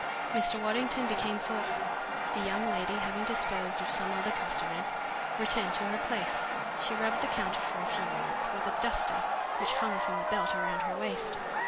Mr. Waddington became thoughtful. The young lady, having disposed of some other customers, returned to her place. She rubbed the counter for a few minutes with a duster which hung from the belt around her waist.